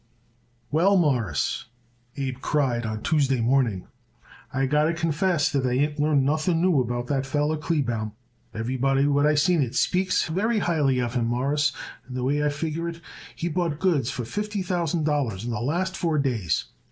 "Well, Mawruss," Abe cried on Tuesday morning, "I got to confess that I ain't learned nothing new about that feller Kleebaum. Everybody what I seen it speaks very highly of him, Mawruss, and the way I figure it, he bought goods for fifty thousand dollars in the last four days.